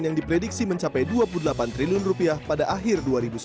yang diprediksi mencapai dua puluh delapan triliun rupiah pada akhir dua ribu sembilan belas